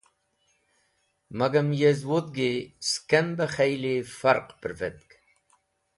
Magam, yezwudhgi skem be kheli farq pervetk.